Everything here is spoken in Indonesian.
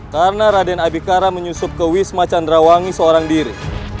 karena raden abikara menyusup ke wisma candrawangi seorang diri